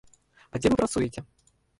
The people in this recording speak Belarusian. А дзе вы працуеце?